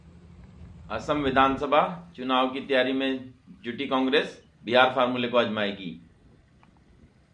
असम विधानसभा चुनाव की तैयारी में जुटी कांग्रेस, बिहार फॉर्मूले को आजमाएगी